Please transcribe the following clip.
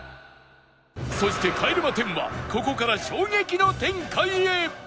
そして帰れま１０はここから衝撃の展開へ！